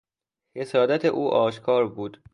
حسادت او آشکار بود.